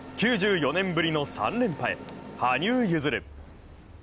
９４年ぶりの連覇へ、羽生結弦。